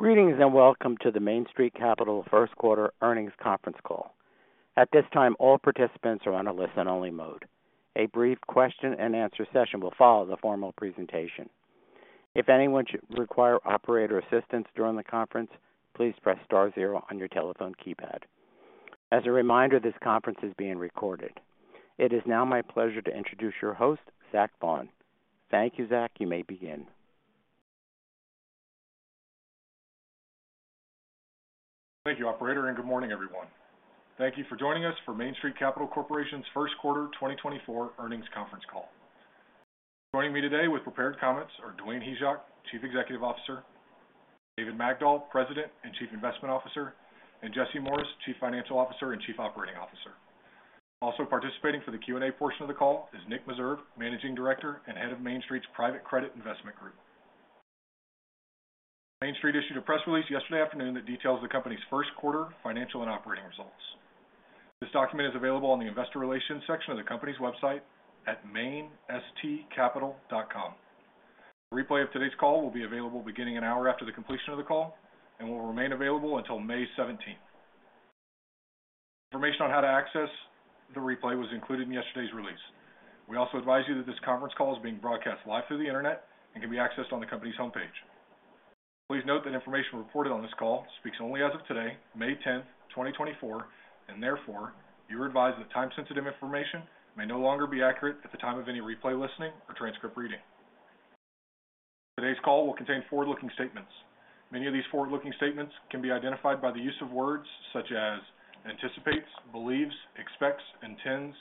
...Greetings, and welcome to the Main Street Capital First Quarter Earnings Conference Call. At this time, all participants are on a listen-only mode. A brief question-and-answer session will follow the formal presentation. If anyone should require operator assistance during the conference, please press star zero on your telephone keypad. As a reminder, this conference is being recorded. It is now my pleasure to introduce your host, Zach Vaughan. Thank you, Zach. You may begin. Thank you, operator, and good morning, everyone. Thank you for joining us for Main Street Capital Corporation's First Quarter 2024 Earnings Conference Call. Joining me today with prepared comments are Dwayne Hyzak, Chief Executive Officer, David Magdol, President and Chief Investment Officer, and Jesse Morris, Chief Financial Officer and Chief Operating Officer. Also participating for the Q&A portion of the call is Nick Meserve, Managing Director and Head of Main Street's Private Credit Investment Group. Main Street issued a press release yesterday afternoon that details the company's first quarter financial and operating results. This document is available on the investor relations section of the company's website at mainstreetcapital.com. A replay of today's call will be available beginning an hour after the completion of the call and will remain available until May seventeenth. Information on how to access the replay was included in yesterday's release. We also advise you that this conference call is being broadcast live through the internet and can be accessed on the company's homepage. Please note that information reported on this call speaks only as of today, May 10, 2024, and therefore, you are advised that time-sensitive information may no longer be accurate at the time of any replay, listening, or transcript reading. Today's call will contain forward-looking statements. Many of these forward-looking statements can be identified by the use of words such as anticipates, believes, expects, intends,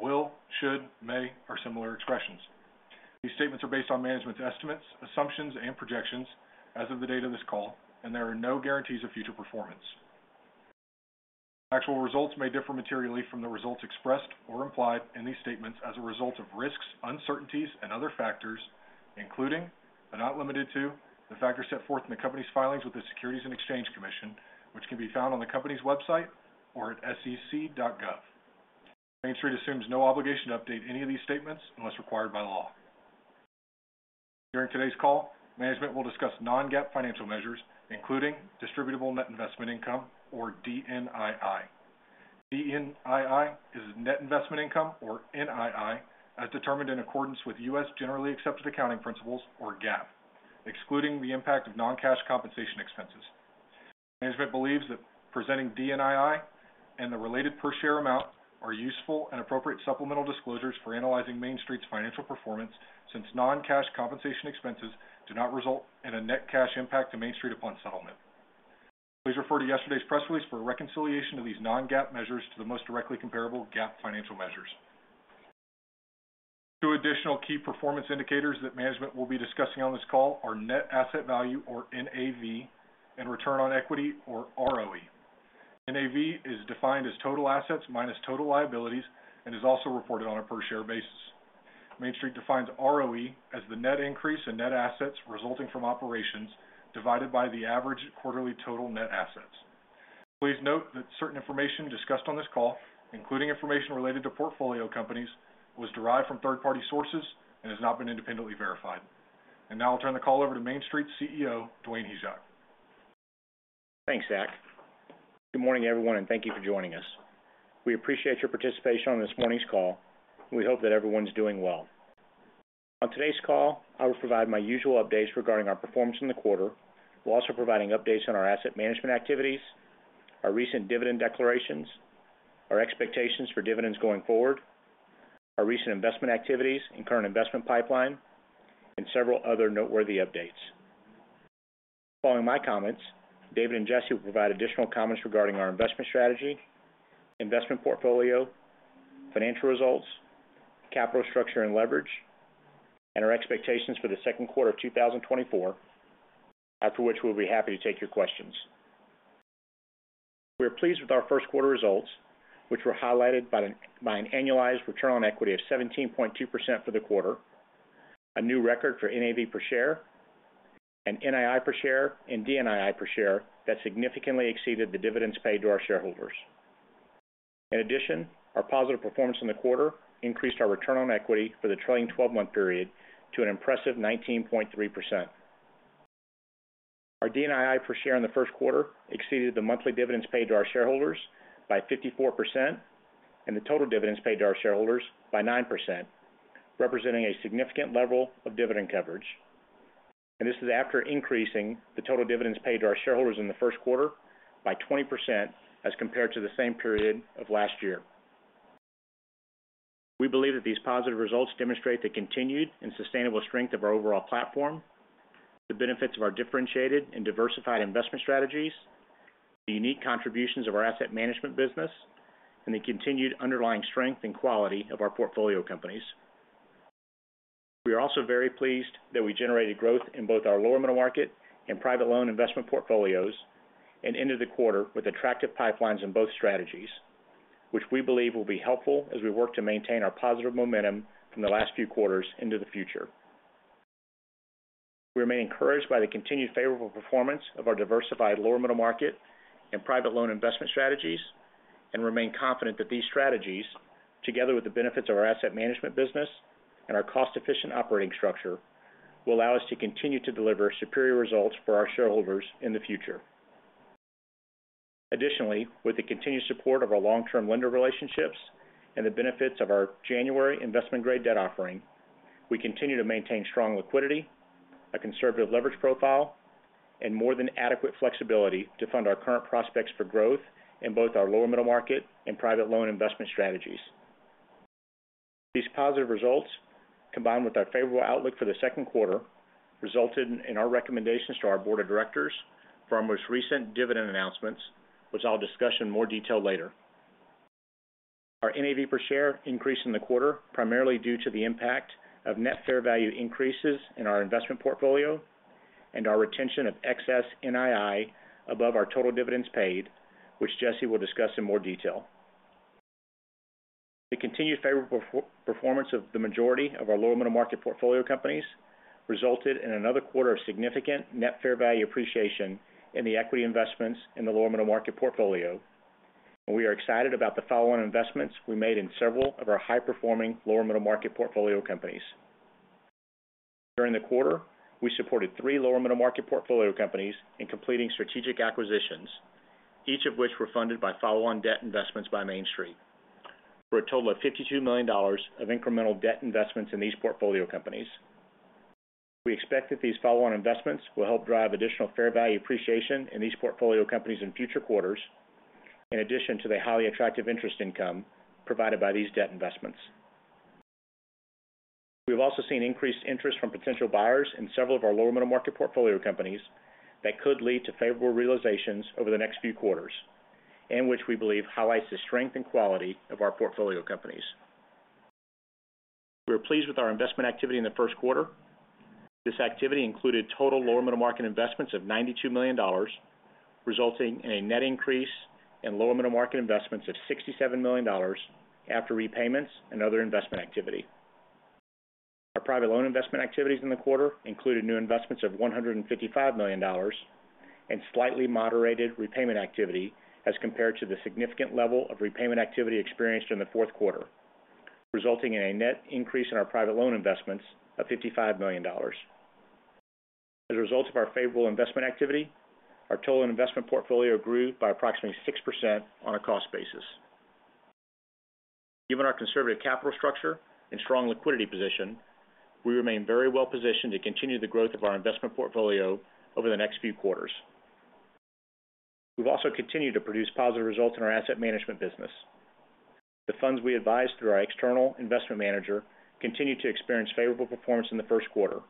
will, should, may, or similar expressions. These statements are based on management's estimates, assumptions, and projections as of the date of this call, and there are no guarantees of future performance. Actual results may differ materially from the results expressed or implied in these statements as a result of risks, uncertainties, and other factors, including, but not limited to, the factors set forth in the company's filings with the Securities and Exchange Commission, which can be found on the company's website or at sec.gov. Main Street assumes no obligation to update any of these statements unless required by law. During today's call, management will discuss non-GAAP financial measures, including distributable net investment income, or DNII. DNII is net investment income, or NII, as determined in accordance with U.S. generally accepted accounting principles, or GAAP, excluding the impact of non-cash compensation expenses. Management believes that presenting DNII and the related per share amount are useful and appropriate supplemental disclosures for analyzing Main Street's financial performance, since non-cash compensation expenses do not result in a net cash impact to Main Street upon settlement. Please refer to yesterday's press release for a reconciliation of these non-GAAP measures to the most directly comparable GAAP financial measures. Two additional key performance indicators that management will be discussing on this call are net asset value, or NAV, and return on equity, or ROE. NAV is defined as total assets minus total liabilities and is also reported on a per share basis. Main Street defines ROE as the net increase in net assets resulting from operations divided by the average quarterly total net assets. Please note that certain information discussed on this call, including information related to portfolio companies, was derived from third-party sources and has not been independently verified. And now I'll turn the call over to Main Street's CEO, Dwayne Hyzak. Thanks, Zach. Good morning, everyone, and thank you for joining us. We appreciate your participation on this morning's call. We hope that everyone's doing well. On today's call, I will provide my usual updates regarding our performance in the quarter, while also providing updates on our asset management activities, our recent dividend declarations, our expectations for dividends going forward, our recent investment activities and current investment pipeline, and several other noteworthy updates. Following my comments, David and Jesse will provide additional comments regarding our investment strategy, investment portfolio, financial results, capital structure and leverage, and our expectations for the second quarter of 2024, after which we'll be happy to take your questions. We are pleased with our first quarter results, which were highlighted by an annualized return on equity of 17.2% for the quarter, a new record for NAV per share, and NII per share, and DNII per share that significantly exceeded the dividends paid to our shareholders. In addition, our positive performance in the quarter increased our return on equity for the trailing twelve-month period to an impressive 19.3%. Our DNII per share in the first quarter exceeded the monthly dividends paid to our shareholders by 54% and the total dividends paid to our shareholders by 9%, representing a significant level of dividend coverage. This is after increasing the total dividends paid to our shareholders in the first quarter by 20% as compared to the same period of last year. We believe that these positive results demonstrate the continued and sustainable strength of our overall platform, the benefits of our differentiated and diversified investment strategies, the unique contributions of our asset management business, and the continued underlying strength and quality of our portfolio companies. We are also very pleased that we generated growth in both our lower middle market and private loan investment portfolios, and ended the quarter with attractive pipelines in both strategies, which we believe will be helpful as we work to maintain our positive momentum from the last few quarters into the future. We remain encouraged by the continued favorable performance of our diversified lower middle market and private loan investment strategies... and remain confident that these strategies, together with the benefits of our asset management business and our cost-efficient operating structure, will allow us to continue to deliver superior results for our shareholders in the future. Additionally, with the continued support of our long-term lender relationships and the benefits of our January investment-grade debt offering, we continue to maintain strong liquidity, a conservative leverage profile, and more than adequate flexibility to fund our current prospects for growth in both our lower middle market and private loan investment strategies. These positive results, combined with our favorable outlook for the second quarter, resulted in our recommendations to our board of directors for our most recent dividend announcements, which I'll discuss in more detail later. Our NAV per share increased in the quarter, primarily due to the impact of net fair value increases in our investment portfolio and our retention of excess NII above our total dividends paid, which Jesse will discuss in more detail. The continued favorable performance of the majority of our lower middle market portfolio companies resulted in another quarter of significant net fair value appreciation in the equity investments in the lower middle market portfolio, and we are excited about the follow-on investments we made in several of our high-performing lower middle market portfolio companies. During the quarter, we supported three lower middle market portfolio companies in completing strategic acquisitions, each of which were funded by follow-on debt investments by Main Street, for a total of $52 million of incremental debt investments in these portfolio companies. We expect that these follow-on investments will help drive additional fair value appreciation in these portfolio companies in future quarters, in addition to the highly attractive interest income provided by these debt investments. We've also seen increased interest from potential buyers in several of our lower middle market portfolio companies that could lead to favorable realizations over the next few quarters, and which we believe highlights the strength and quality of our portfolio companies. We are pleased with our investment activity in the first quarter. This activity included total lower middle market investments of $92 million, resulting in a net increase in lower middle market investments of $67 million after repayments and other investment activity. Our private loan investment activities in the quarter included new investments of $155 million and slightly moderated repayment activity as compared to the significant level of repayment activity experienced in the fourth quarter, resulting in a net increase in our private loan investments of $55 million. As a result of our favorable investment activity, our total investment portfolio grew by approximately 6% on a cost basis. Given our conservative capital structure and strong liquidity position, we remain very well positioned to continue the growth of our investment portfolio over the next few quarters. We've also continued to produce positive results in our asset management business. The funds we advise through our external investment manager continued to experience favorable performance in the first quarter,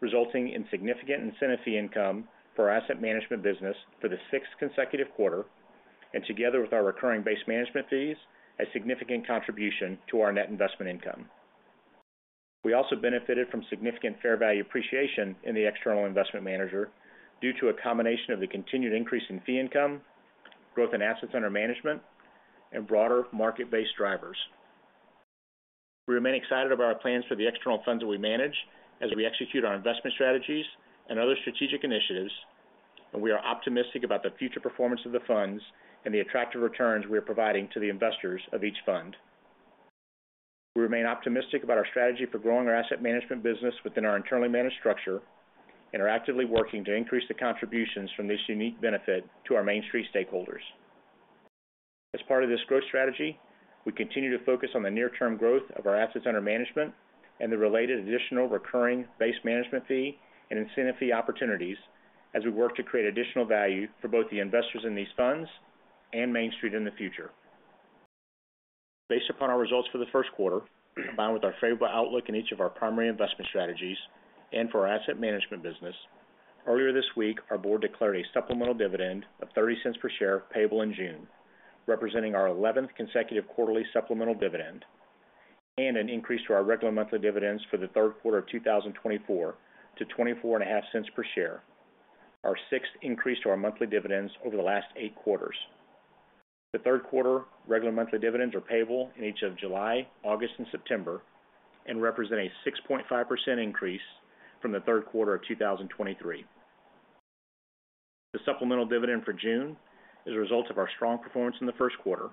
resulting in significant incentive fee income for our asset management business for the sixth consecutive quarter, and together with our recurring base management fees, a significant contribution to our net investment income. We also benefited from significant fair value appreciation in the external investment manager due to a combination of the continued increase in fee income, growth in assets under management, and broader market-based drivers. We remain excited about our plans for the external funds that we manage as we execute our investment strategies and other strategic initiatives, and we are optimistic about the future performance of the funds and the attractive returns we are providing to the investors of each fund. We remain optimistic about our strategy for growing our asset management business within our internally managed structure and are actively working to increase the contributions from this unique benefit to our Main Street stakeholders. As part of this growth strategy, we continue to focus on the near-term growth of our assets under management and the related additional recurring base management fee and incentive fee opportunities as we work to create additional value for both the investors in these funds and Main Street in the future. Based upon our results for the first quarter, combined with our favorable outlook in each of our primary investment strategies and for our asset management business, earlier this week, our board declared a supplemental dividend of $0.30 per share, payable in June, representing our 11th consecutive quarterly supplemental dividend, and an increase to our regular monthly dividends for the third quarter of 2024 to $0.245 per share, our 6th increase to our monthly dividends over the last 8 quarters. The third quarter regular monthly dividends are payable in each of July, August, and September and represent a 6.5% increase from the third quarter of 2023. The supplemental dividend for June is a result of our strong performance in the first quarter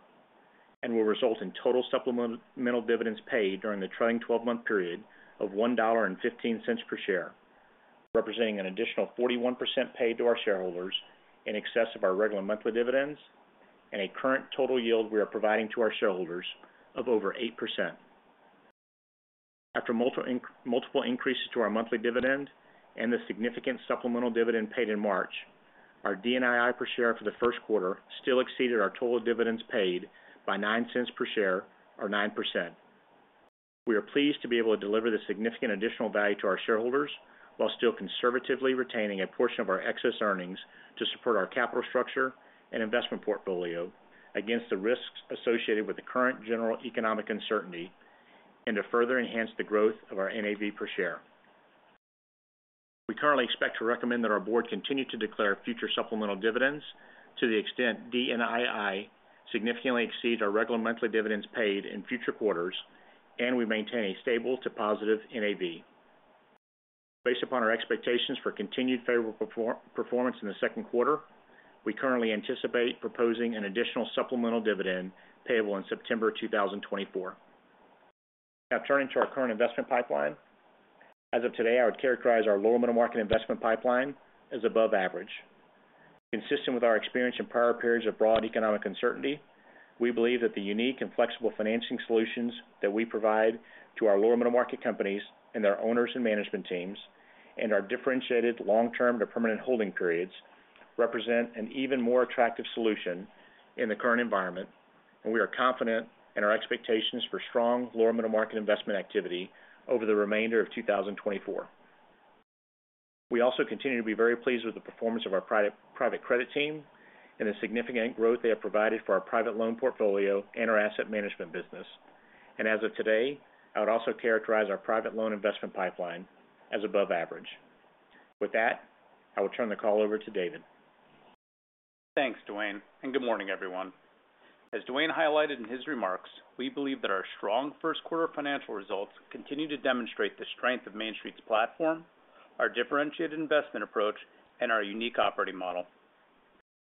and will result in total supplemental dividends paid during the trailing twelve-month period of $1.15 per share, representing an additional 41% paid to our shareholders in excess of our regular monthly dividends and a current total yield we are providing to our shareholders of over 8%. After multiple increases to our monthly dividend and the significant supplemental dividend paid in March, our DNII per share for the first quarter still exceeded our total dividends paid by $0.09 per share or 9%. We are pleased to be able to deliver this significant additional value to our shareholders, while still conservatively retaining a portion of our excess earnings to support our capital structure and investment portfolio against the risks associated with the current general economic uncertainty and to further enhance the growth of our NAV per share. We currently expect to recommend that our board continue to declare future supplemental dividends to the extent DNII significantly exceed our regular monthly dividends paid in future quarters, and we maintain a stable to positive NAV. Based upon our expectations for continued favorable performance in the second quarter, we currently anticipate proposing an additional supplemental dividend payable in September 2024. Now turning to our current investment pipeline. As of today, I would characterize our lower middle market investment pipeline as above average. Consistent with our experience in prior periods of broad economic uncertainty, we believe that the unique and flexible financing solutions that we provide to our lower middle market companies and their owners and management teams, and our differentiated long-term to permanent holding periods, represent an even more attractive solution in the current environment, and we are confident in our expectations for strong lower middle market investment activity over the remainder of 2024. We also continue to be very pleased with the performance of our private credit team and the significant growth they have provided for our private loan portfolio and our asset management business. As of today, I would also characterize our private loan investment pipeline as above average. With that, I will turn the call over to David. Thanks, Dwayne, and good morning, everyone. As Dwayne highlighted in his remarks, we believe that our strong first quarter financial results continue to demonstrate the strength of Main Street's platform, our differentiated investment approach, and our unique operating model.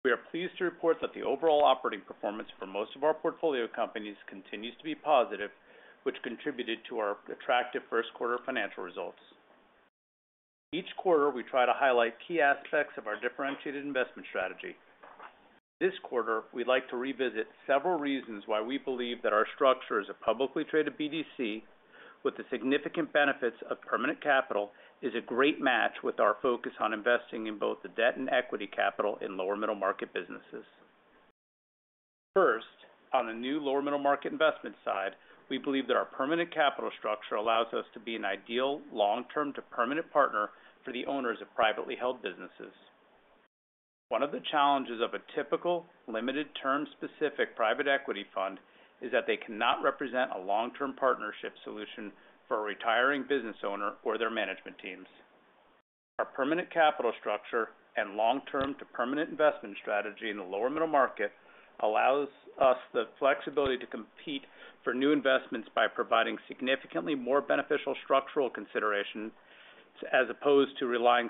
We are pleased to report that the overall operating performance for most of our portfolio companies continues to be positive, which contributed to our attractive first quarter financial results. Each quarter, we try to highlight key aspects of our differentiated investment strategy. This quarter, we'd like to revisit several reasons why we believe that our structure as a publicly traded BDC, with the significant benefits of permanent capital, is a great match with our focus on investing in both the debt and equity capital in lower middle market businesses. First, on the new lower middle market investment side, we believe that our permanent capital structure allows us to be an ideal long-term to permanent partner for the owners of privately held businesses. One of the challenges of a typical, limited term-specific private equity fund is that they cannot represent a long-term partnership solution for a retiring business owner or their management teams. Our permanent capital structure and long-term to permanent investment strategy in the lower middle market allows us the flexibility to compete for new investments by providing significantly more beneficial structural consideration, as opposed to relying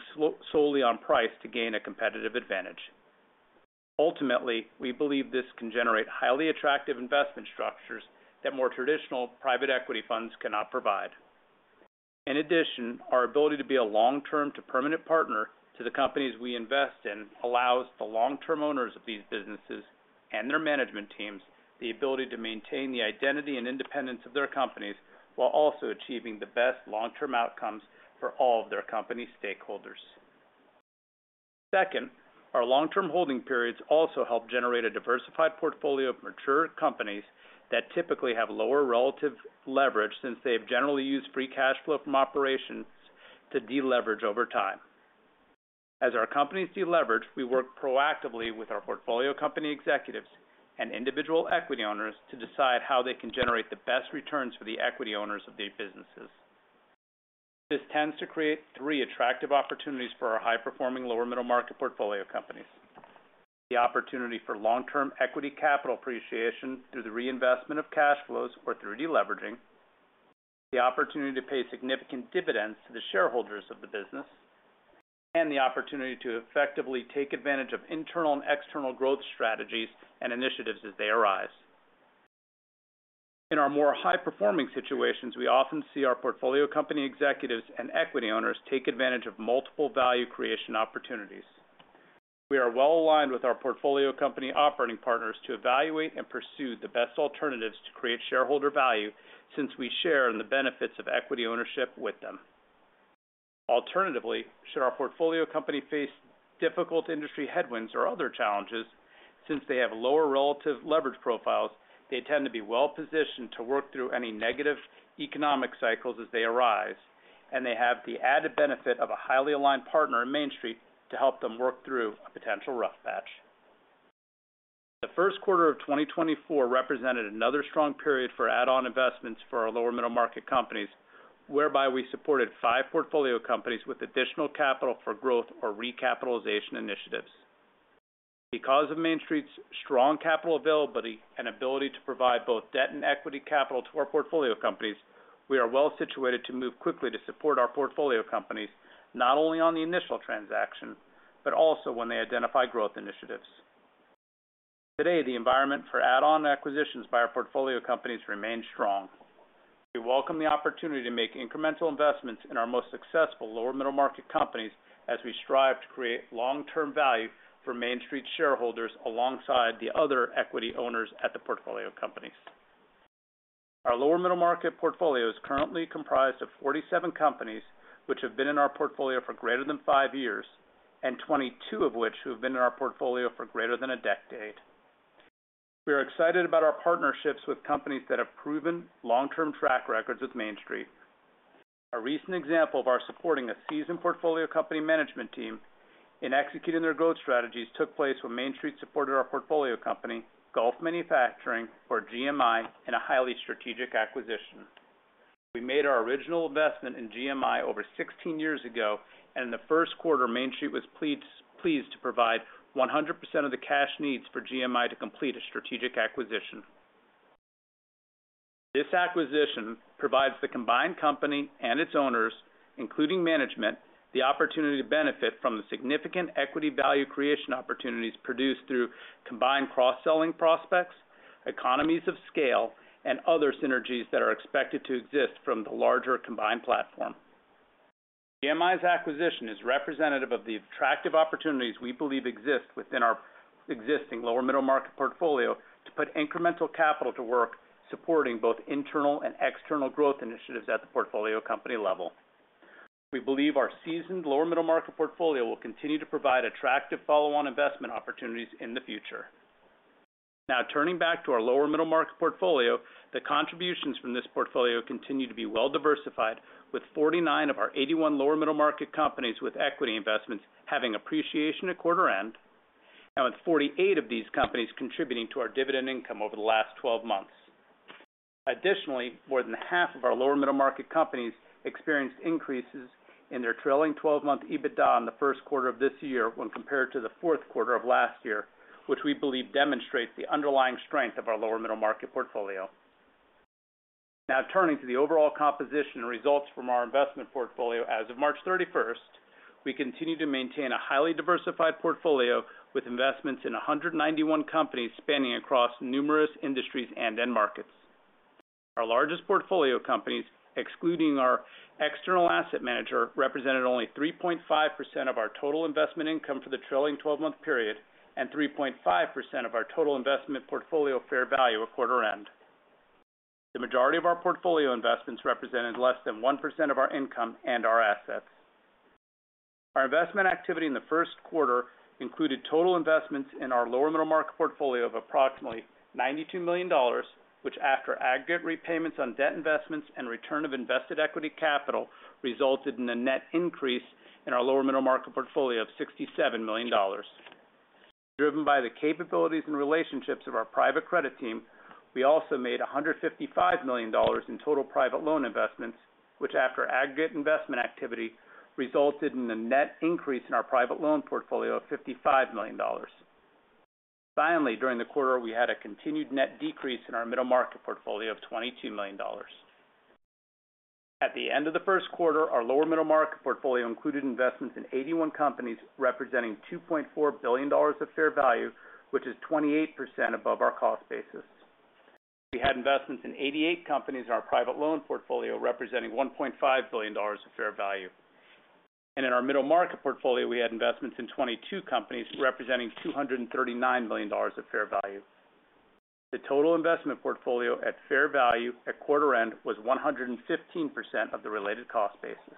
solely on price to gain a competitive advantage. Ultimately, we believe this can generate highly attractive investment structures that more traditional private equity funds cannot provide. In addition, our ability to be a long-term to permanent partner to the companies we invest in allows the long-term owners of these businesses and their management teams the ability to maintain the identity and independence of their companies, while also achieving the best long-term outcomes for all of their company stakeholders. Second, our long-term holding periods also help generate a diversified portfolio of mature companies that typically have lower relative leverage, since they've generally used free cash flow from operations to deleverage over time. As our companies deleverage, we work proactively with our portfolio company executives and individual equity owners to decide how they can generate the best returns for the equity owners of these businesses. This tends to create three attractive opportunities for our high-performing lower middle market portfolio companies: the opportunity for long-term equity capital appreciation through the reinvestment of cash flows or through deleveraging, the opportunity to pay significant dividends to the shareholders of the business, and the opportunity to effectively take advantage of internal and external growth strategies and initiatives as they arise. In our more high-performing situations, we often see our portfolio company executives and equity owners take advantage of multiple value creation opportunities. We are well-aligned with our portfolio company operating partners to evaluate and pursue the best alternatives to create shareholder value, since we share in the benefits of equity ownership with them. Alternatively, should our portfolio company face difficult industry headwinds or other challenges, since they have lower relative leverage profiles, they tend to be well-positioned to work through any negative economic cycles as they arise, and they have the added benefit of a highly aligned partner in Main Street to help them work through a potential rough patch. The first quarter of 2024 represented another strong period for add-on investments for our lower middle market companies, whereby we supported five portfolio companies with additional capital for growth or recapitalization initiatives. Because of Main Street's strong capital availability and ability to provide both debt and equity capital to our portfolio companies, we are well-situated to move quickly to support our portfolio companies, not only on the initial transaction, but also when they identify growth initiatives. Today, the environment for add-on acquisitions by our portfolio companies remains strong. We welcome the opportunity to make incremental investments in our most successful lower middle market companies as we strive to create long-term value for Main Street shareholders alongside the other equity owners at the portfolio companies. Our lower middle market portfolio is currently comprised of 47 companies, which have been in our portfolio for greater than 5 years, and 22 of which who have been in our portfolio for greater than a decade. We are excited about our partnerships with companies that have proven long-term track records with Main Street. A recent example of our supporting a seasoned portfolio company management team in executing their growth strategies took place when Main Street supported our portfolio company, Gulf Manufacturing, or GMI, in a highly strategic acquisition. We made our original investment in GMI over 16 years ago, and in the first quarter, Main Street was pleased to provide 100% of the cash needs for GMI to complete a strategic acquisition. This acquisition provides the combined company and its owners, including management, the opportunity to benefit from the significant equity value creation opportunities produced through combined cross-selling prospects, economies of scale, and other synergies that are expected to exist from the larger combined platform. GMI's acquisition is representative of the attractive opportunities we believe exist within our existing lower middle-market portfolio to put incremental capital to work, supporting both internal and external growth initiatives at the portfolio company level. We believe our seasoned lower middle-market portfolio will continue to provide attractive follow-on investment opportunities in the future. Now, turning back to our lower middle-market portfolio, the contributions from this portfolio continue to be well-diversified, with 49 of our 81 lower middle-market companies with equity investments having appreciation at quarter end, and with 48 of these companies contributing to our dividend income over the last 12 months. Additionally, more than half of our lower middle-market companies experienced increases in their trailing 12-month EBITDA in the first quarter of this year when compared to the fourth quarter of last year, which we believe demonstrates the underlying strength of our lower middle-market portfolio. Now, turning to the overall composition and results from our investment portfolio. As of March 31, we continue to maintain a highly diversified portfolio with investments in 191 companies spanning across numerous industries and end markets. Our largest portfolio companies, excluding our external asset manager, represented only 3.5% of our total investment income for the trailing twelve-month period and 3.5% of our total investment portfolio fair value at quarter end. The majority of our portfolio investments represented less than 1% of our income and our assets. Our investment activity in the first quarter included total investments in our lower middle-market portfolio of approximately $92 million, which, after aggregate repayments on debt investments and return of invested equity capital, resulted in a net increase in our lower middle-market portfolio of $67 million. Driven by the capabilities and relationships of our private credit team, we also made $155 million in total private loan investments, which, after aggregate investment activity, resulted in a net increase in our private loan portfolio of $55 million. Finally, during the quarter, we had a continued net decrease in our middle-market portfolio of $22 million. At the end of the first quarter, our lower middle-market portfolio included investments in 81 companies, representing $2.4 billion of fair value, which is 28% above our cost basis. We had investments in 88 companies in our private loan portfolio, representing $1.5 billion of fair value. In our middle-market portfolio, we had investments in 22 companies, representing $239 million of fair value. The total investment portfolio at fair value at quarter end was 115% of the related cost basis.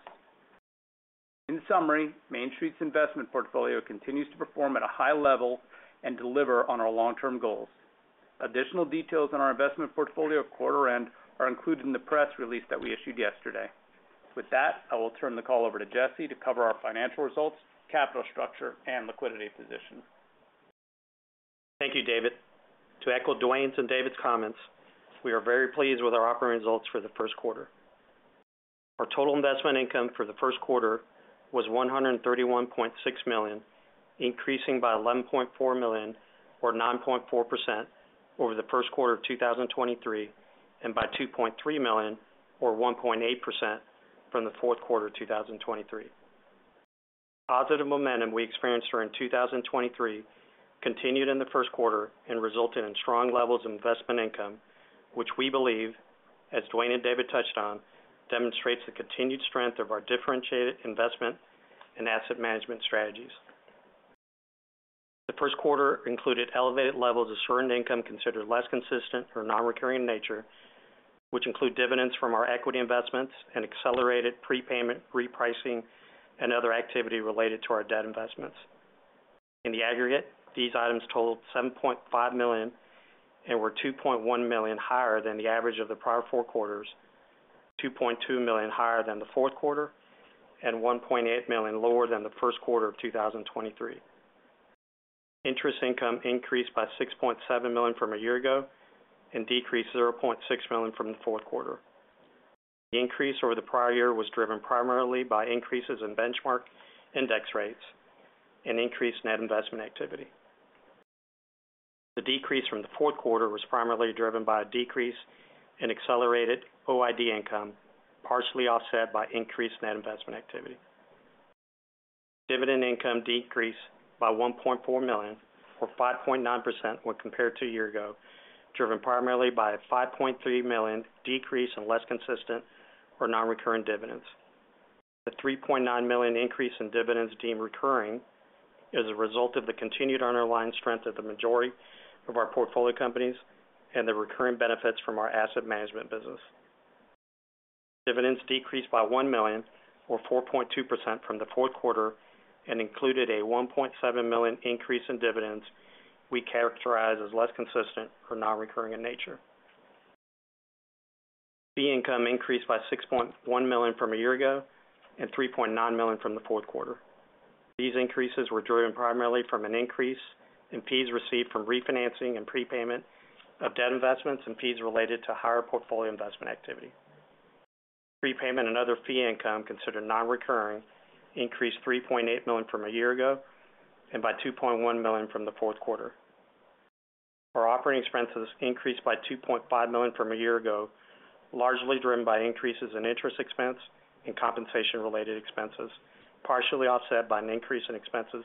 In summary, Main Street's investment portfolio continues to perform at a high level and deliver on our long-term goals. Additional details on our investment portfolio at quarter end are included in the press release that we issued yesterday. With that, I will turn the call over to Jesse to cover our financial results, capital structure, and liquidity position. Thank you, David. To echo Dwayne's and David's comments, we are very pleased with our operating results for the first quarter. Our total investment income for the first quarter was $131.6 million, increasing by $11.4 million, or 9.4%, over the first quarter of 2023, and by $2.3 million, or 1.8%, from the fourth quarter of 2023. Positive momentum we experienced during 2023 continued in the first quarter and resulted in strong levels of investment income, which we believe, as Dwayne and David touched on, demonstrates the continued strength of our differentiated investment and asset management strategies. The first quarter included elevated levels of certain income considered less consistent or nonrecurring in nature, which include dividends from our equity investments and accelerated prepayment, repricing, and other activity related to our debt investments. In the aggregate, these items totaled $7.5 million and were $2.1 million higher than the average of the prior four quarters, $2.2 million higher than the fourth quarter, and $1.8 million lower than the first quarter of 2023. Interest income increased by $6.7 million from a year ago and decreased $0.6 million from the fourth quarter. The increase over the prior year was driven primarily by increases in benchmark index rates and increased net investment activity. The decrease from the fourth quarter was primarily driven by a decrease in accelerated OID income, partially offset by increased net investment activity. Dividend income decreased by $1.4 million, or 5.9%, when compared to a year ago, driven primarily by a $5.3 million decrease in less consistent or nonrecurring dividends. The $3.9 million increase in dividends deemed recurring is a result of the continued underlying strength of the majority of our portfolio companies and the recurring benefits from our asset management business. Dividends decreased by $1 million, or 4.2%, from the fourth quarter and included a $1.7 million increase in dividends we characterize as less consistent or nonrecurring in nature. Fee income increased by $6.1 million from a year ago and $3.9 million from the fourth quarter. These increases were driven primarily from an increase in fees received from refinancing and prepayment of debt investments and fees related to higher portfolio investment activity.... Prepayment and other fee income considered non-recurring increased $3.8 million from a year ago and by $2.1 million from the fourth quarter. Our operating expenses increased by $2.5 million from a year ago, largely driven by increases in interest expense and compensation-related expenses, partially offset by an increase in expenses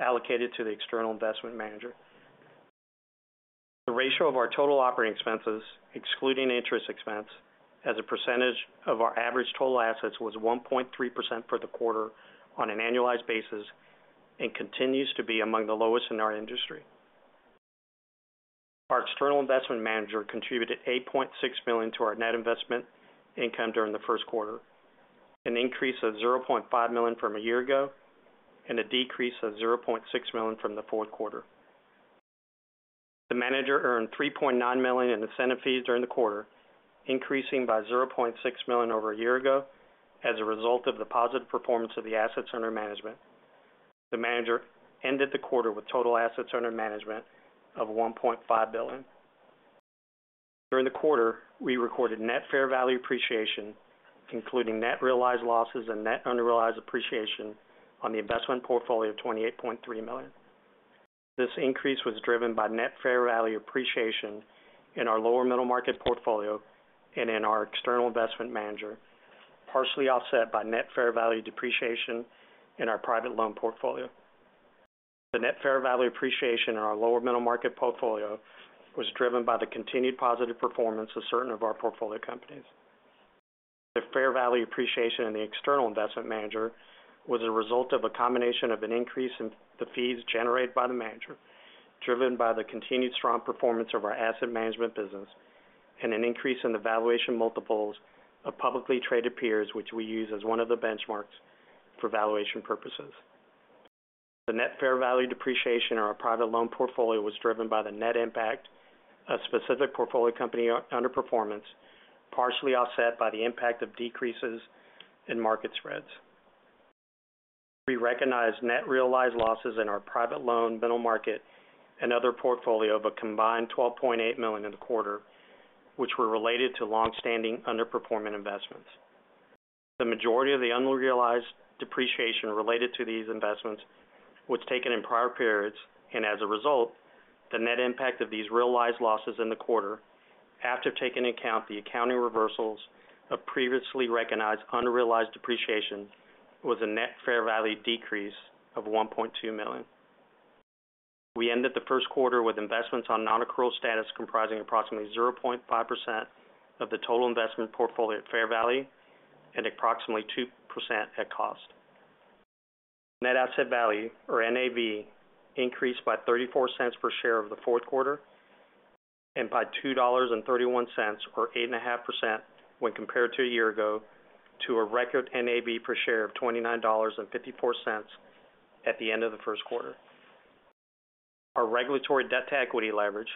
allocated to the external investment manager. The ratio of our total operating expenses, excluding interest expense, as a percentage of our average total assets, was 1.3% for the quarter on an annualized basis and continues to be among the lowest in our industry. Our external investment manager contributed $8.6 million to our net investment income during the first quarter, an increase of $0.5 million from a year ago, and a decrease of $0.6 million from the fourth quarter. The manager earned $3.9 million in incentive fees during the quarter, increasing by $0.6 million over a year ago as a result of the positive performance of the assets under management. The manager ended the quarter with total assets under management of $1.5 billion. During the quarter, we recorded net fair value appreciation, including net realized losses and net unrealized appreciation on the investment portfolio of $28.3 million. This increase was driven by net fair value appreciation in our lower middle market portfolio and in our external investment manager, partially offset by net fair value depreciation in our private loan portfolio. The net fair value appreciation in our lower middle market portfolio was driven by the continued positive performance of certain of our portfolio companies. The fair value appreciation in the external investment manager was a result of a combination of an increase in the fees generated by the manager, driven by the continued strong performance of our asset management business and an increase in the valuation multiples of publicly traded peers, which we use as one of the benchmarks for valuation purposes. The net fair value depreciation in our private loan portfolio was driven by the net impact of specific portfolio company underperformance, partially offset by the impact of decreases in market spreads. We recognized net realized losses in our private loan, middle market and other portfolio of a combined $12.8 million in the quarter, which were related to long-standing underperforming investments. The majority of the unrealized depreciation related to these investments was taken in prior periods, and as a result, the net impact of these realized losses in the quarter, after taking into account the accounting reversals of previously recognized unrealized depreciation, was a net fair value decrease of $1.2 million. We ended the first quarter with investments on non-accrual status, comprising approximately 0.5% of the total investment portfolio at fair value and approximately 2% at cost. Net asset value, or NAV, increased by $0.34 per share of the fourth quarter and by $2.31, or 8.5% when compared to a year ago, to a record NAV per share of $29.54 at the end of the first quarter. Our regulatory debt-to-equity leverage,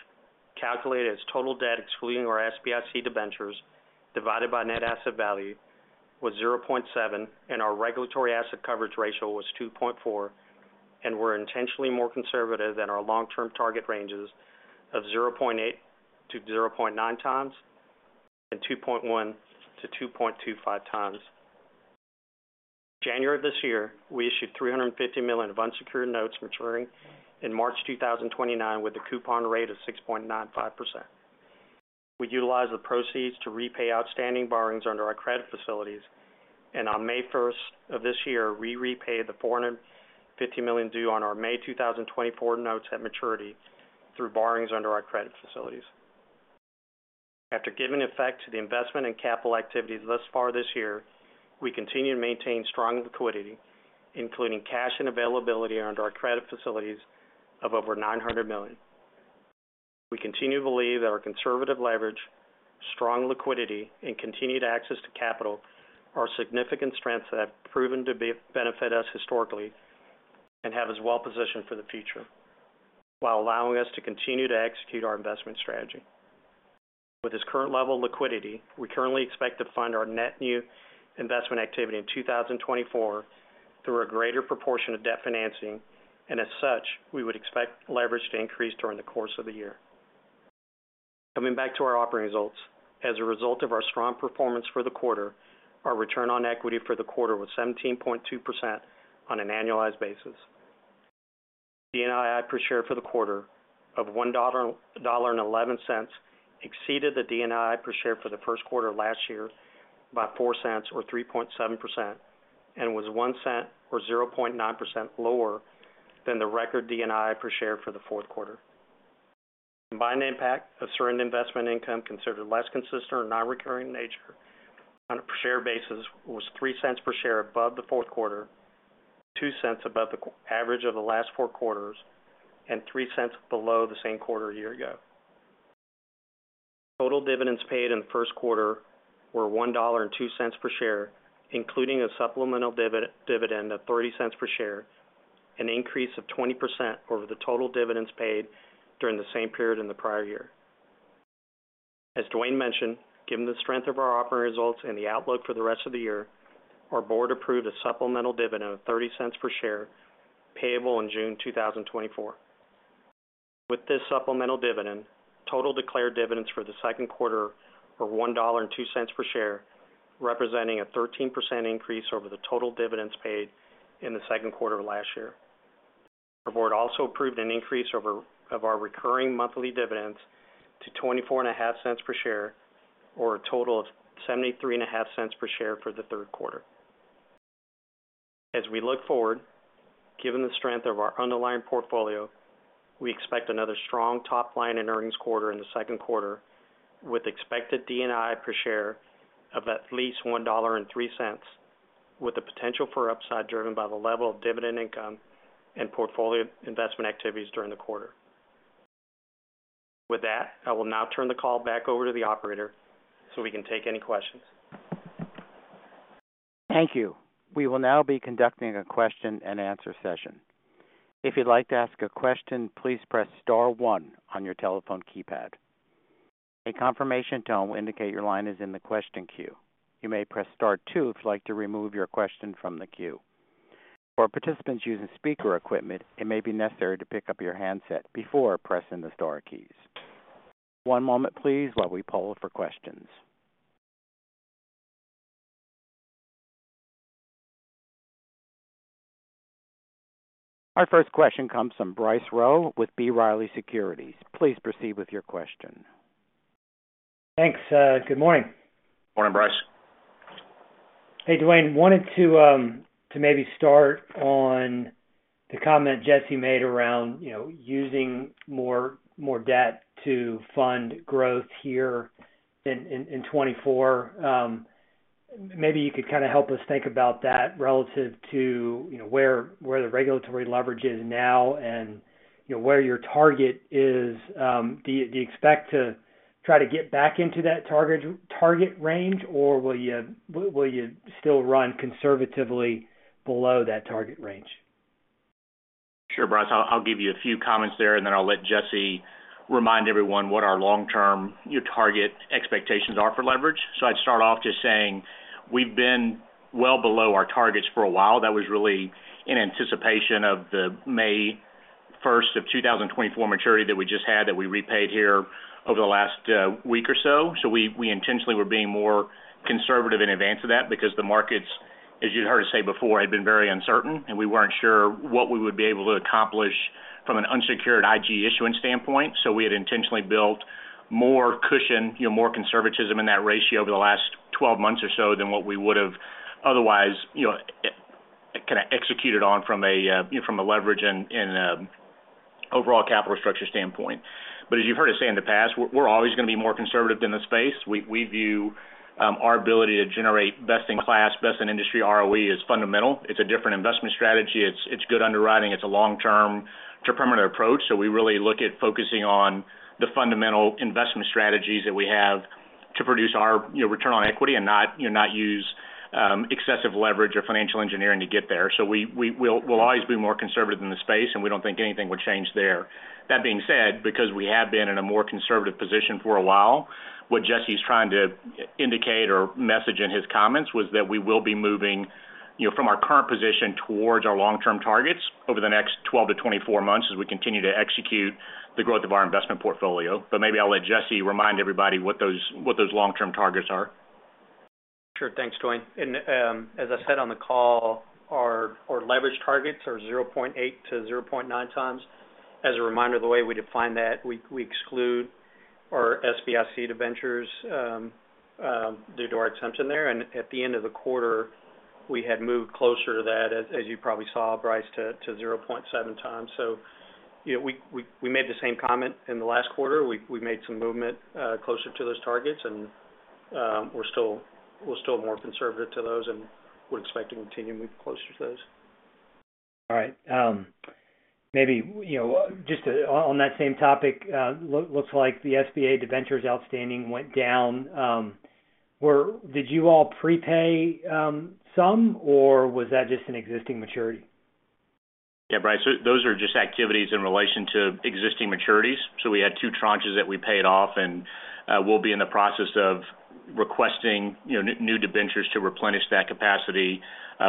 calculated as total debt, excluding our SBIC debentures divided by net asset value, was 0.7, and our regulatory asset coverage ratio was 2.4, and were intentionally more conservative than our long-term target ranges of 0.8-0.9 times and 2.1-2.25 times. January of this year, we issued $350 million of unsecured notes maturing in March 2029, with a coupon rate of 6.95%. We utilized the proceeds to repay outstanding borrowings under our credit facilities, and on May 1st of this year, we repaid the $450 million due on our May 2024 notes at maturity through borrowings under our credit facilities. After giving effect to the investment in capital activities thus far this year, we continue to maintain strong liquidity, including cash and availability under our credit facilities of over $900 million. We continue to believe that our conservative leverage, strong liquidity and continued access to capital are significant strengths that have proven to benefit us historically and have us well-positioned for the future, while allowing us to continue to execute our investment strategy. With this current level of liquidity, we currently expect to fund our net new investment activity in 2024 through a greater proportion of debt financing, and as such, we would expect leverage to increase during the course of the year. Coming back to our operating results. As a result of our strong performance for the quarter, our return on equity for the quarter was 17.2% on an annualized basis. DNII per share for the quarter of $1.11 exceeded the DNII per share for the first quarter of last year by $0.04, or 3.7%, and was $0.01, or 0.9%, lower than the record DNII per share for the fourth quarter. Combined impact of certain investment income considered less consistent or non-recurring in nature on a per-share basis was $0.03 per share above the fourth quarter, $0.02 above the quarterly average of the last 4 quarters, and $0.03 below the same quarter a year ago. Total dividends paid in the first quarter were $1.02 per share, including a supplemental dividend of $0.30 per share, an increase of 20% over the total dividends paid during the same period in the prior year. As Dwayne mentioned, given the strength of our operating results and the outlook for the rest of the year, our board approved a supplemental dividend of $0.30 per share, payable in June 2024. ...With this supplemental dividend, total declared dividends for the second quarter were $1.02 per share, representing a 13% increase over the total dividends paid in the second quarter of last year. Our board also approved an increase of our recurring monthly dividends to $0.245 per share, or a total of $0.735 per share for the third quarter. As we look forward, given the strength of our underlying portfolio, we expect another strong top line in earnings quarter in the second quarter, with expected DNII per share of at least $1.03, with the potential for upside, driven by the level of dividend income and portfolio investment activities during the quarter. With that, I will now turn the call back over to the operator, so we can take any questions. Thank you. We will now be conducting a question and answer session. If you'd like to ask a question, please press star one on your telephone keypad. A confirmation tone will indicate your line is in the question queue. You may press star two if you'd like to remove your question from the queue. For participants using speaker equipment, it may be necessary to pick up your handset before pressing the star keys. One moment please, while we poll for questions. Our first question comes from Bryce Rowe with B. Riley Securities. Please proceed with your question. Thanks. Good morning. Morning, Bryce. Hey, Dwayne, wanted to maybe start on the comment Jesse made around, you know, using more debt to fund growth here in 2024. Maybe you could kind of help us think about that relative to, you know, where the regulatory leverage is now and, you know, where your target is. Do you expect to try to get back into that target range, or will you still run conservatively below that target range? Sure, Bryce. I'll give you a few comments there, and then I'll let Jesse remind everyone what our long-term, you know, target expectations are for leverage. So I'd start off just saying we've been well below our targets for a while. That was really in anticipation of the May 1, 2024 maturity that we just had, that we repaid here over the last week or so. So we intentionally were being more conservative in advance of that because the markets, as you'd heard us say before, had been very uncertain, and we weren't sure what we would be able to accomplish from an unsecured IG issuance standpoint. So we had intentionally built more cushion, you know, more conservatism in that ratio over the last 12 months or so than what we would've otherwise, you know, kind of executed on from a, you know, from a leverage and, overall capital structure standpoint. But as you've heard us say in the past, we're always going to be more conservative in the space. We view our ability to generate best-in-class, best-in-industry ROE as fundamental. It's a different investment strategy. It's good underwriting. It's a long-term, permanent approach. So we really look at focusing on the fundamental investment strategies that we have to produce our, you know, return on equity and not, you know, not use excessive leverage or financial engineering to get there. So we'll always be more conservative in the space, and we don't think anything would change there. That being said, because we have been in a more conservative position for a while, what Jesse's trying to indicate or message in his comments was that we will be moving, you know, from our current position towards our long-term targets over the next 12-24 months as we continue to execute the growth of our investment portfolio. But maybe I'll let Jesse remind everybody what those, what those long-term targets are. Sure. Thanks, Dwayne. And, as I said on the call, our leverage targets are 0.8-0.9 times. As a reminder, the way we define that, we exclude our SBIC debentures, due to our exemption there. And at the end of the quarter, we had moved closer to that, as you probably saw, Bryce, to 0.7 times. So, you know, we made the same comment in the last quarter. We made some movement closer to those targets, and, we're still more conservative to those, and we'd expect to continue to move closer to those. All right. Maybe, you know, just, on that same topic, looks like the SBA debentures outstanding went down. Did you all prepay some, or was that just an existing maturity? Yeah, Bryce, so those are just activities in relation to existing maturities. So we had two tranches that we paid off, and we'll be in the process of requesting, you know, new, new debentures to replenish that capacity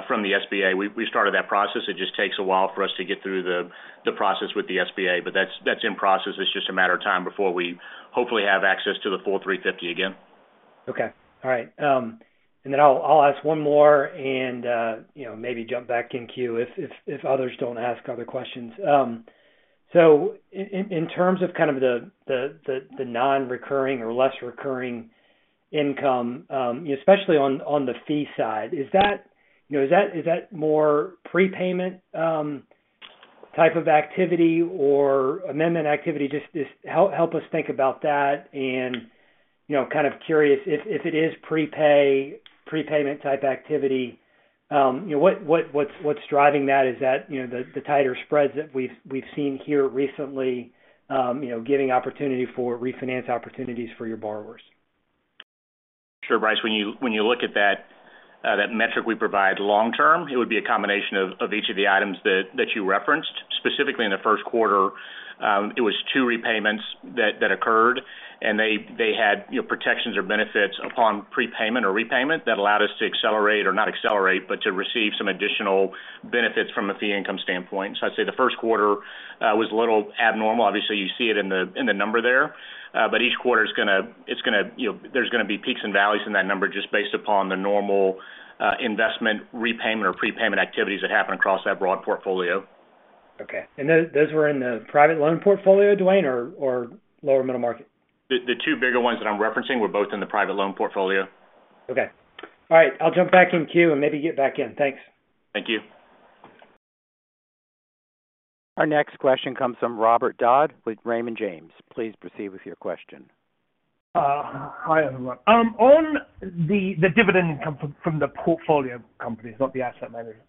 from the SBA. We started that process. It just takes a while for us to get through the process with the SBA, but that's in process. It's just a matter of time before we hopefully have access to the full 350 again. Okay. All right. And then I'll ask one more and, you know, maybe jump back in queue if others don't ask other questions. So in terms of kind of the non-recurring or less recurring income, especially on the fee side, is that, you know, more prepayment type of activity or amendment activity? Just help us think about that. And, you know, kind of curious, if it is prepayment type activity, you know, what's driving that? Is that, you know, the tighter spreads that we've seen here recently, you know, giving opportunity for refinance opportunities for your borrowers? Sure, Bryce. When you look at that metric we provide long term, it would be a combination of each of the items that you referenced. Specifically in the first quarter, it was two repayments that occurred, and they had, you know, protections or benefits upon prepayment or repayment that allowed us to accelerate, or not accelerate, but to receive some additional benefits from a fee income standpoint. So I'd say the first quarter was a little abnormal. Obviously, you see it in the number there, but each quarter is gonna, it's gonna, you know, there's gonna be peaks and valleys in that number just based upon the normal investment, repayment or prepayment activities that happen across that broad portfolio. Okay. And those, those were in the private loan portfolio, Dwayne, or, or lower middle market? The two bigger ones that I'm referencing were both in the private loan portfolio. Okay. All right, I'll jump back in queue and maybe get back in. Thanks. Thank you. Our next question comes from Robert Dodd with Raymond James. Please proceed with your question. Hi, everyone. On the dividend income from the portfolio companies, not the asset management,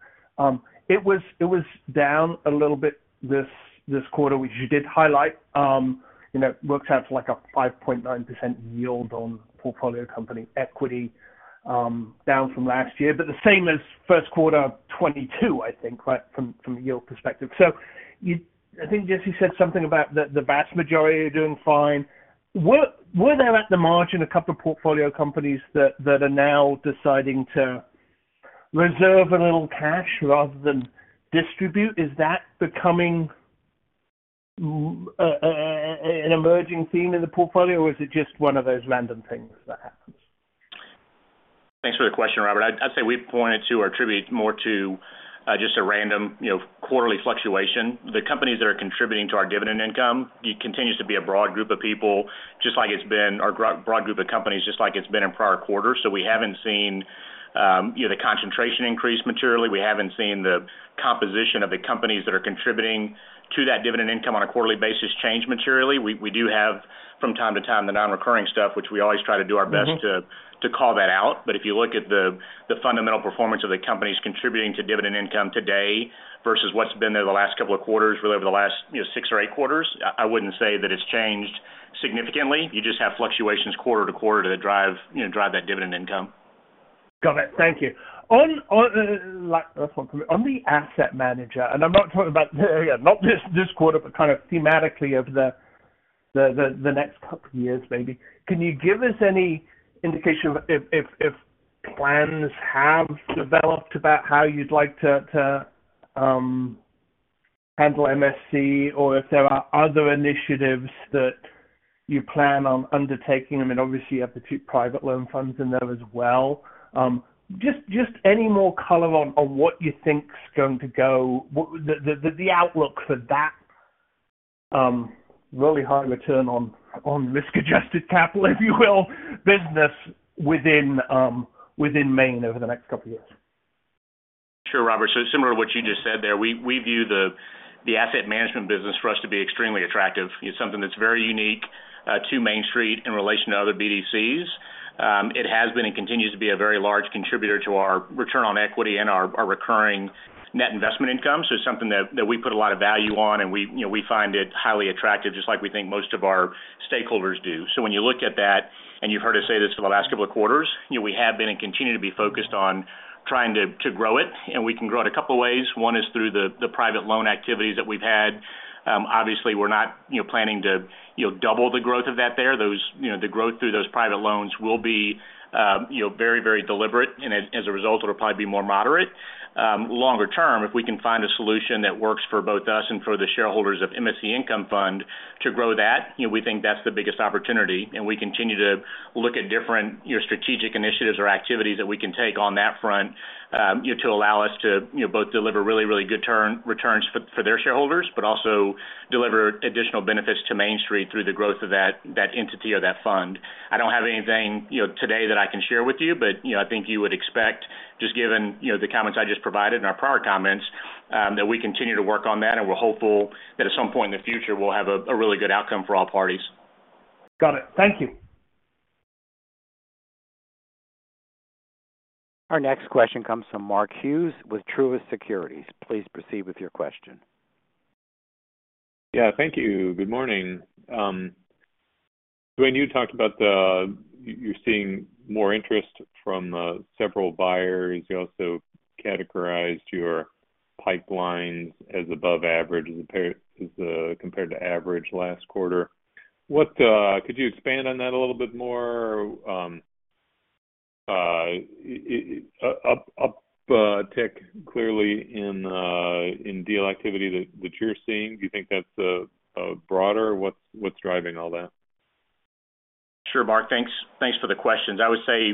it was down a little bit this quarter, which you did highlight. You know, it works out to, like, a 5.9% yield on portfolio company equity, down from last year, but the same as first quarter 2022, I think, right, from a yield perspective. So you—I think Jesse said something about the vast majority are doing fine. Were there, at the margin, a couple of portfolio companies that are now deciding to reserve a little cash rather than distribute? Is that becoming an emerging theme in the portfolio, or is it just one of those random things that happens? Thanks for the question, Robert. I'd say we point to or attribute more to just a random, you know, quarterly fluctuation. The companies that are contributing to our dividend income, it continues to be a broad group of people, just like it's been or broad group of companies, just like it's been in prior quarters. So we haven't seen, you know, the concentration increase materially. We haven't seen the composition of the companies that are contributing to that dividend income on a quarterly basis change materially. We do have, from time to time, the non-recurring stuff, which we always try to do our best- Mm-hmm. To call that out. But if you look at the fundamental performance of the companies contributing to dividend income today versus what's been there the last couple of quarters, really over the last, you know, six or eight quarters, I wouldn't say that it's changed significantly. You just have fluctuations quarter to quarter that drive, you know, drive that dividend income. Got it. Thank you. Like, on the asset manager, and I'm not talking about, again, not this quarter, but kind of thematically over the next couple of years maybe, can you give us any indication if plans have developed about how you'd like to handle MSC, or if there are other initiatives that you plan on undertaking? I mean, obviously, you have the two private loan funds in there as well. Just any more color on what you think is going to go... what the outlook for that really high return on risk-adjusted capital, if you will, business within Main over the next couple of years? Sure, Robert. So similar to what you just said there, we view the asset management business for us to be extremely attractive. It's something that's very unique to Main Street in relation to other BDCs. It has been and continues to be a very large contributor to our return on equity and our recurring net investment income. So it's something that we put a lot of value on, and you know, we find it highly attractive, just like we think most of our stakeholders do. So when you look at that, and you've heard us say this for the last couple of quarters, you know, we have been and continue to be focused on trying to grow it, and we can grow it a couple of ways. One is through the private loan activities that we've had. Obviously, we're not, you know, planning to, you know, double the growth of that there. Those, you know, the growth through those private loans will be, you know, very, very deliberate, and as a result, it'll probably be more moderate. Longer term, if we can find a solution that works for both us and for the shareholders of MSC Income Fund to grow that, you know, we think that's the biggest opportunity, and we continue to look at different, you know, strategic initiatives or activities that we can take on that front, you know, to allow us to, you know, both deliver really, really good returns for their shareholders, but also deliver additional benefits to Main Street through the growth of that entity or that fund. I don't have anything, you know, today that I can share with you, but, you know, I think you would expect, just given, you know, the comments I just provided and our prior comments, that we continue to work on that, and we're hopeful that at some point in the future, we'll have a really good outcome for all parties. Got it. Thank you. Our next question comes from Mark Hughes with Truist Securities. Please proceed with your question. Yeah, thank you. Good morning. Dwayne, you talked about the—you're seeing more interest from several buyers. You also categorized your pipelines as above average as compared to average last quarter. What could you expand on that a little bit more? Uptick clearly in deal activity that you're seeing. Do you think that's broader? What's driving all that? Sure, Mark. Thanks, thanks for the questions. I would say,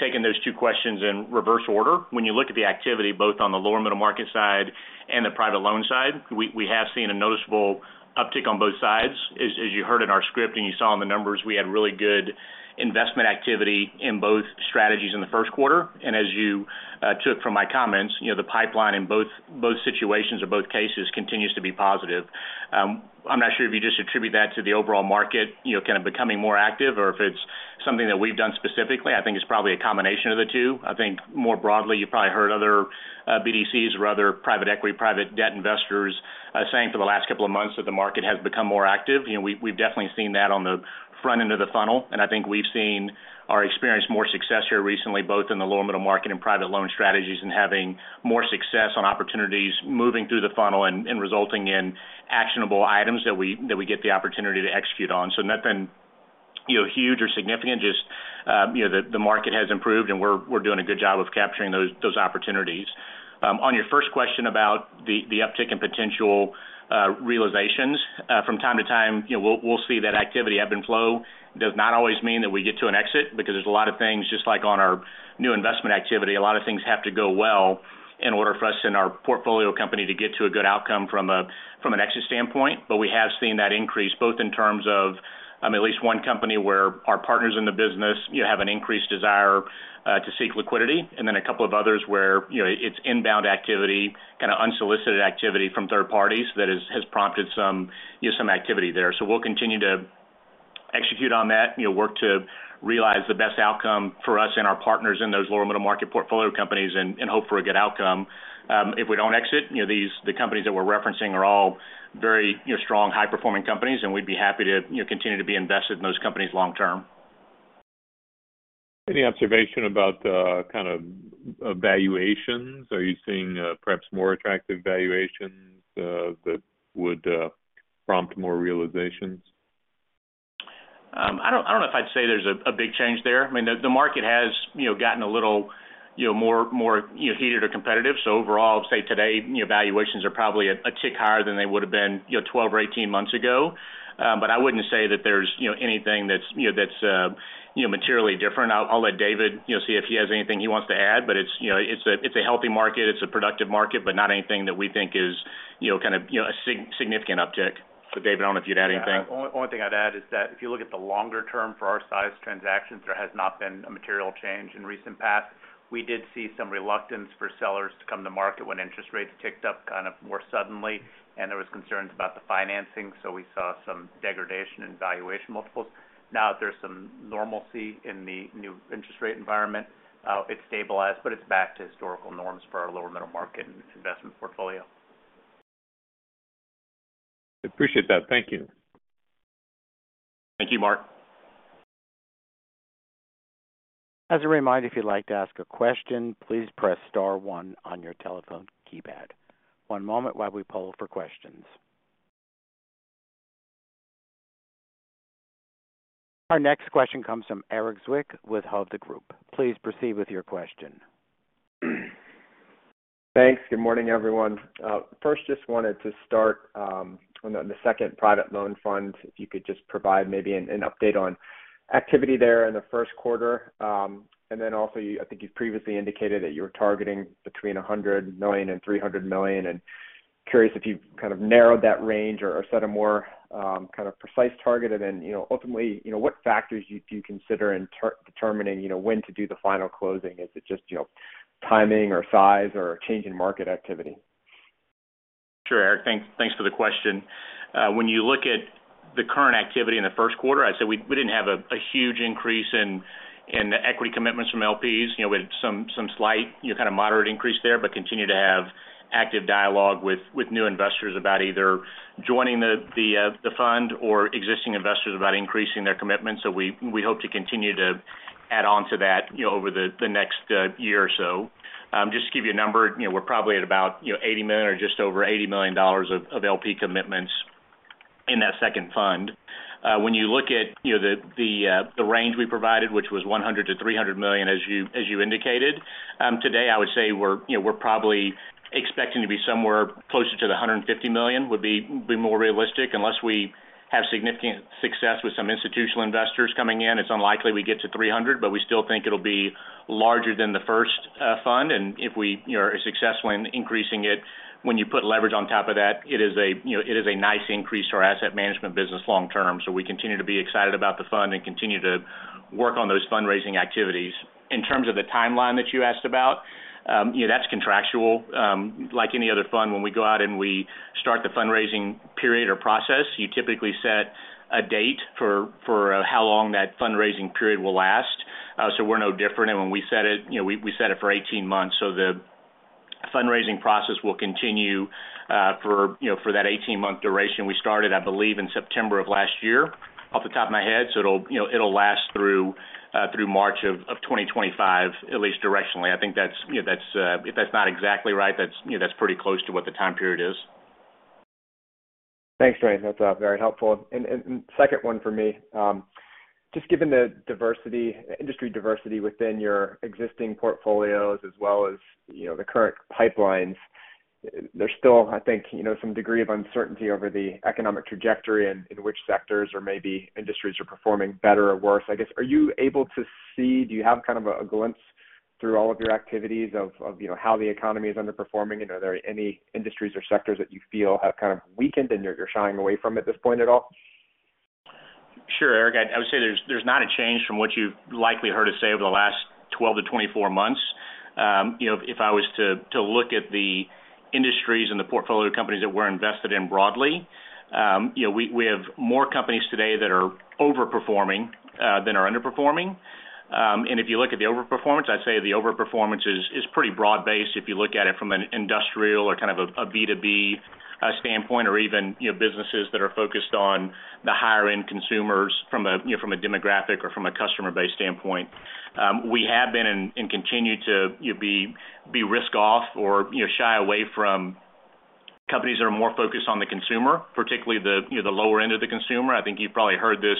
taking those two questions in reverse order, when you look at the activity, both on the lower middle market side and the private loan side, we have seen a noticeable uptick on both sides. As you heard in our script and you saw in the numbers, we had really good investment activity in both strategies in the first quarter, and as you took from my comments, you know, the pipeline in both situations or both cases continues to be positive. I'm not sure if you just attribute that to the overall market, you know, kind of becoming more active or if it's something that we've done specifically. I think it's probably a combination of the two. I think more broadly, you probably heard other BDCs or other private equity, private debt investors saying for the last couple of months that the market has become more active. You know, we've definitely seen that on the front end of the funnel, and I think we've seen or experienced more success here recently, both in the lower middle market and private loan strategies, and having more success on opportunities moving through the funnel and resulting in actionable items that we get the opportunity to execute on. So nothing, you know, huge or significant, just, you know, the market has improved, and we're doing a good job of capturing those opportunities. On your first question about the uptick in potential realizations, from time to time, you know, we'll see that activity ebb and flow. Does not always mean that we get to an exit, because there's a lot of things, just like on our new investment activity, a lot of things have to go well in order for us and our portfolio company to get to a good outcome from an exit standpoint. But we have seen that increase, both in terms of, at least one company where our partners in the business, you know, have an increased desire to seek liquidity, and then a couple of others where, you know, it's inbound activity, kind of unsolicited activity from third parties that has prompted some activity there. So we'll continue to execute on that, you know, work to realize the best outcome for us and our partners in those lower middle market portfolio companies and hope for a good outcome. If we don't exit, you know, these the companies that we're referencing are all very, you know, strong, high-performing companies, and we'd be happy to, you know, continue to be invested in those companies long term. Any observation about, kind of valuations? Are you seeing, perhaps more attractive valuations, that would, prompt more realizations? I don't know if I'd say there's a big change there. I mean, the market has, you know, gotten a little, you know, more heated or competitive. So overall, I'd say today, you know, valuations are probably a tick higher than they would have been, you know, 12 or 18 months ago. But I wouldn't say that there's, you know, anything that's, you know, materially different. I'll let David, you know, see if he has anything he wants to add, but it's, you know, it's a healthy market. It's a productive market, but not anything that we think is, you know, kind of a significant uptick. So David, I don't know if you'd add anything. Yeah. Only thing I'd add is that if you look at the longer term for our size transactions, there has not been a material change in recent past. We did see some reluctance for sellers to come to market when interest rates ticked up kind of more suddenly, and there was concerns about the financing, so we saw some degradation in valuation multiples. Now that there's some normalcy in the new interest rate environment, it's stabilized, but it's back to historical norms for our lower middle market and investment portfolio. Appreciate that. Thank you. Thank you, Mark. As a reminder, if you'd like to ask a question, please press star one on your telephone keypad. One moment while we poll for questions. Our next question comes from Erik Zwick with Houlihan Lokey. Please proceed with your question. Thanks. Good morning, everyone. First, just wanted to start on the second private loan fund, if you could just provide maybe an update on activity there in the first quarter. And then also, you—I think you've previously indicated that you were targeting between $100 million and $300 million, and curious if you've kind of narrowed that range or set a more kind of precise target. And then, you know, ultimately, you know, what factors do you consider in determining, you know, when to do the final closing? Is it just, you know, timing or size or change in market activity? Sure, Erik. Thanks, thanks for the question. When you look at the current activity in the first quarter, I'd say we didn't have a huge increase in the equity commitments from LPs. You know, we had some slight, you know, kind of moderate increase there, but continue to have active dialogue with new investors about either joining the the fund or existing investors about increasing their commitments. So we hope to continue to add on to that, you know, over the next year or so. Just to give you a number, you know, we're probably at about, you know, $80 million or just over $80 million of LP commitments in that second fund. When you look at, you know, the range we provided, which was $100 million-$300 million, as you indicated today, I would say we're, you know, we're probably expecting to be somewhere closer to the $150 million would be more realistic. Unless we have significant success with some institutional investors coming in, it's unlikely we get to 300, but we still think it'll be larger than the first fund. If we, you know, are successful in increasing it, when you put leverage on top of that, it is a nice increase to our asset management business long term. We continue to be excited about the fund and continue to work on those fundraising activities. In terms of the timeline that you asked about, you know, that's contractual. Like any other fund, when we go out and we start the fundraising period or process, you typically set a date for how long that fundraising period will last. So we're no different, and when we set it, you know, we set it for 18 months. So the fundraising process will continue for, you know, for that 18-month duration. We started, I believe, in September of last year, off the top of my head, so it'll, you know, it'll last through March of 2025, at least directionally. I think that's, you know, that's if that's not exactly right, that's, you know, that's pretty close to what the time period is. Thanks, Randy. That's very helpful. And second one for me. Just given the diversity, industry diversity within your existing portfolios as well as, you know, the current pipelines, there's still, I think, you know, some degree of uncertainty over the economic trajectory and in which sectors or maybe industries are performing better or worse. I guess, are you able to see... Do you have kind of a glimpse through all of your activities of, you know, how the economy is underperforming? And are there any industries or sectors that you feel have kind of weakened and you're shying away from at this point at all? Sure, Erik. I would say there's not a change from what you've likely heard us say over the last 12-24 months. You know, if I was to look at the industries and the portfolio companies that we're invested in broadly, you know, we have more companies today that are overperforming than are underperforming. And if you look at the overperformance, I'd say the overperformance is pretty broad-based if you look at it from an industrial or kind of a B2B standpoint or even, you know, businesses that are focused on the higher end consumers from a, you know, from a demographic or from a customer base standpoint. We have been and continue to, you know, be risk-off or, you know, shy away from-... companies that are more focused on the consumer, particularly the, you know, the lower end of the consumer. I think you've probably heard this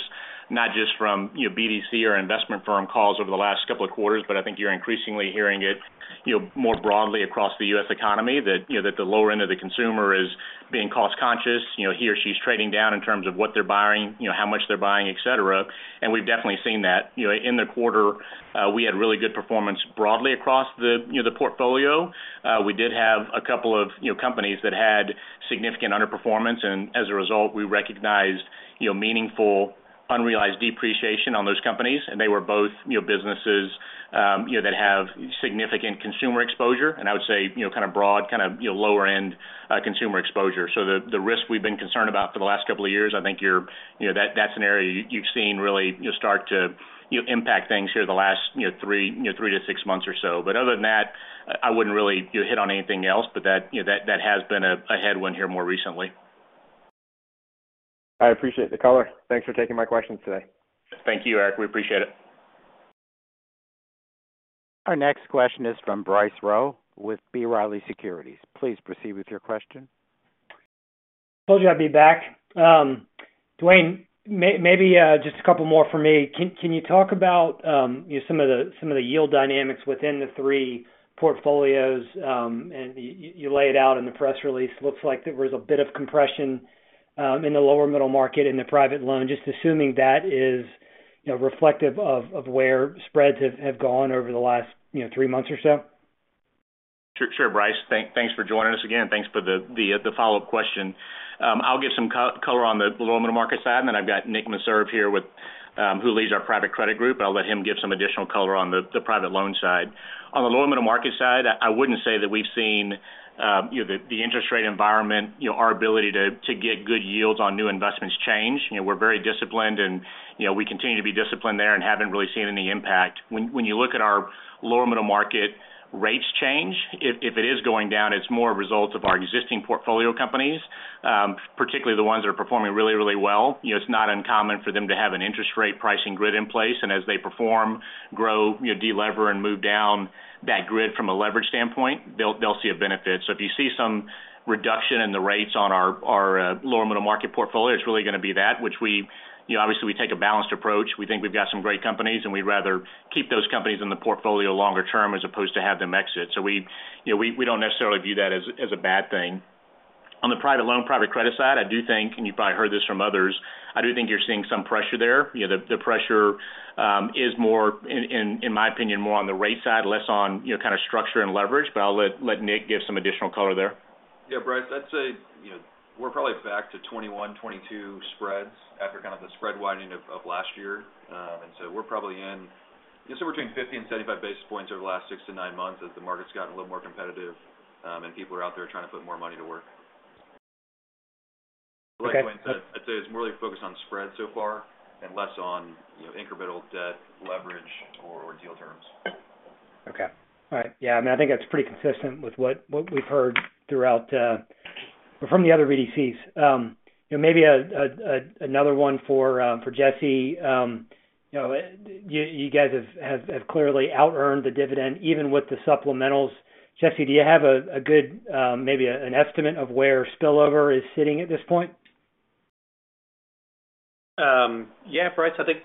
not just from, you know, BDC or investment firm calls over the last couple of quarters, but I think you're increasingly hearing it, you know, more broadly across the U.S. economy, that, you know, that the lower end of the consumer is being cost conscious. You know, he or she's trading down in terms of what they're buying, you know, how much they're buying, et cetera. We've definitely seen that. You know, in the quarter, we had really good performance broadly across the, you know, the portfolio. We did have a couple of, you know, companies that had significant underperformance, and as a result, we recognized, you know, meaningful unrealized depreciation on those companies. And they were both, you know, businesses, you know, that have significant consumer exposure. And I would say, you know, kind of broad, kind of, you know, lower-end consumer exposure. So the risk we've been concerned about for the last couple of years, I think you're, you know, that, that's an area you've seen really, you know, start to, you know, impact things here the last 3-6 months or so. But other than that, I wouldn't really, you know, hit on anything else. But that has been a headwind here more recently. I appreciate the color. Thanks for taking my questions today. Thank you, Erik. We appreciate it. Our next question is from Bryce Rowe with B. Riley Securities. Please proceed with your question. Told you I'd be back. Dwayne, maybe just a couple more for me. Can you talk about, you know, some of the yield dynamics within the three portfolios? You lay it out in the press release. Looks like there was a bit of compression in the lower middle market, in the private loan. Just assuming that is, you know, reflective of where spreads have gone over the last, you know, three months or so? Sure, Bryce. Thanks for joining us again. Thanks for the follow-up question. I'll give some color on the lower middle market side, and then I've got Nick Meserve here with who leads our private credit group. I'll let him give some additional color on the private loan side. On the lower middle market side, I wouldn't say that we've seen, you know, the interest rate environment, you know, our ability to get good yields on new investments change. You know, we're very disciplined and, you know, we continue to be disciplined there and haven't really seen any impact. When you look at our lower middle market rates change, if it is going down, it's more a result of our existing portfolio companies, particularly the ones that are performing really, really well. You know, it's not uncommon for them to have an interest rate pricing grid in place, and as they perform, grow, you know, de-lever and move down that grid from a leverage standpoint, they'll see a benefit. So if you see some reduction in the rates on our lower middle market portfolio, it's really gonna be that which we, you know, obviously, we take a balanced approach. We think we've got some great companies, and we'd rather keep those companies in the portfolio longer term as opposed to have them exit. So we, you know, don't necessarily view that as a bad thing. On the private loan, private credit side, I do think, and you've probably heard this from others, I do think you're seeing some pressure there. You know, the pressure is more, in my opinion, more on the rate side, less on, you know, kind of structure and leverage. But I'll let Nick give some additional color there. Yeah, Bryce, I'd say, you know, we're probably back to'21, '22 spreads after kind of the spread widening of last year. And so we're probably in, I'd say between 50 and 75 basis points over the last 6-9 months as the market's gotten a little more competitive, and people are out there trying to put more money to work. Okay. I'd say it's more focused on spread so far and less on, you know, incremental debt, leverage, or deal terms. Okay. All right. Yeah, I mean, I think that's pretty consistent with what we've heard throughout from the other BDCs. You know, you guys have clearly outearned the dividend, even with the supplementals. Jesse, do you have a good maybe an estimate of where spillover is sitting at this point? Yeah, Bryce. I think,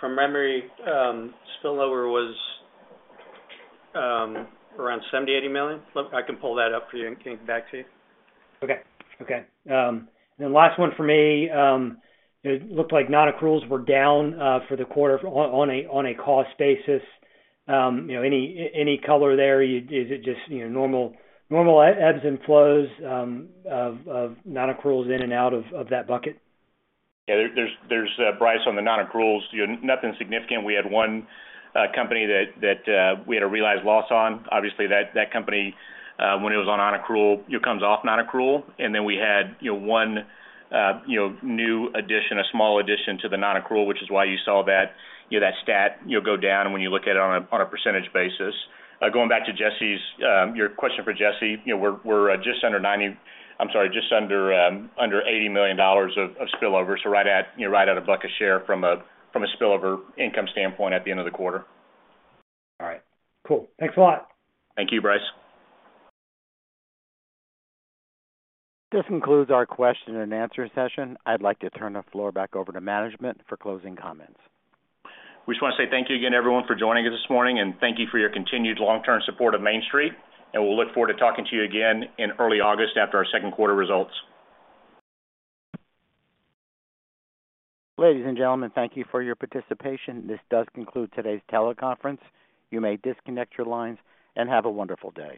from memory, spillover was around $70 million-$80 million. Look, I can pull that up for you and get back to you. Okay. Okay, then last one for me. It looked like nonaccruals were down for the quarter on a cost basis. You know, any color there? Is it just, you know, normal ebbs and flows of nonaccruals in and out of that bucket? Yeah, there's, Bryce, on the nonaccruals, you know, nothing significant. We had one company that we had a realized loss on. Obviously, that company, when it was on nonaccrual, it comes off nonaccrual, and then we had, you know, one new addition, a small addition to the nonaccrual, which is why you saw that, you know, that stat, you know, go down when you look at it on a percentage basis. Going back to Jesse's, your question for Jesse. You know, we're just under ninety... I'm sorry, just under eighty million dollars of spillover. So right at, you know, right at a buck a share from a spillover income standpoint at the end of the quarter. All right. Cool. Thanks a lot. Thank you, Bryce. This concludes our question and answer session. I'd like to turn the floor back over to management for closing comments. We just wanna say thank you again, everyone, for joining us this morning, and thank you for your continued long-term support of Main Street, and we'll look forward to talking to you again in early August after our second quarter results. Ladies and gentlemen, thank you for your participation. This does conclude today's teleconference. You may disconnect your lines, and have a wonderful day.